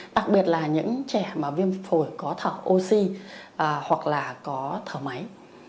đặc biệt là những trẻ mà viêm phổi có thở oxy hoặc là có thở máy